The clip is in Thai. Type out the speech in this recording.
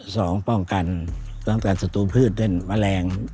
สองป้องกันตั้งแต่ศัตรูพืชเป็นแมลง